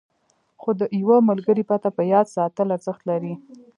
خو د یوه ملګري پته په یاد ساتل ارزښت لري.